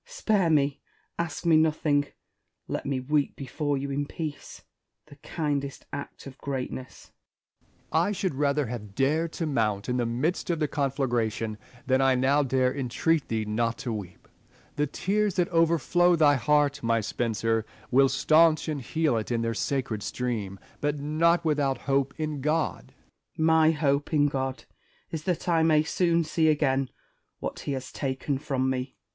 Spare me : ask me nothing ; let me weep before you in peace, — the kindest act of greatness. Essex. I should rather have dared to mount into the io6 IM ACINAR Y CONVERSA TIONS. midst of the conflagration than I now dare entreat thee not to weep. The tears that overflow thy heart, my Spenser, will staunch and heal it in their sacred stream ; but not without hope in God. Spenser. My hope in God is that I may soon see again what he has taken from me.